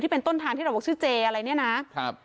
เป็นต้นทางที่เราบอกชื่อเจอะไรเนี่ยนะครับ